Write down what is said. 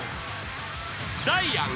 ［ダイアン。